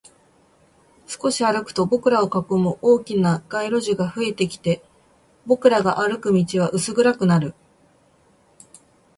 少し歩くと、僕らを囲む大きな街路樹が増えてきて、僕らが歩く道は薄暗くなる